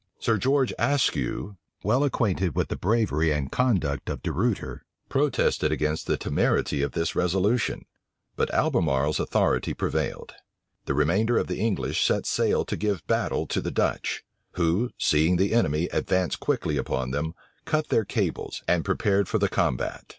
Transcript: Sir George Ayscue, well acquainted with the bravery and conduct of De Ruyter, protested against the temerity of this resolution: but Albemarle's authority prevailed. The remainder of the English set sail to give battle to the Dutch; who, seeing the enemy advance quickly upon them, cut their cables, and prepared for the combat.